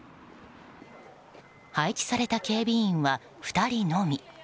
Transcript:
配置された警備員は２人のみ。